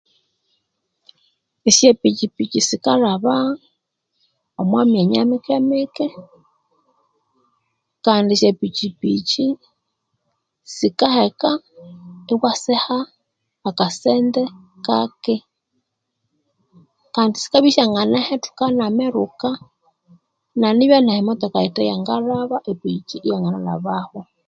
Esya pikyipikyi sikalhaba omwa myanya mike mike kandi esyapikyipikyi sikaheka iwasiha akasente kake Kandi sikabya isyanganahethuka nameruka nanibya ahamatoka yitheyangalhaba, epikyi iyanganalhabaho